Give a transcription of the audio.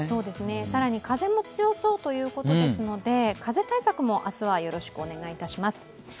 更に風も強そうということですので風対策も明日はよろしくお願いいたします。